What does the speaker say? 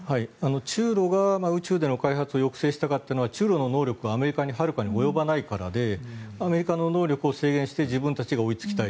中ロが宇宙での開発を抑制したかというのは中ロの能力はアメリカにはるかに及ばないからでアメリカの能力を制限して自分たちが追いつきたい。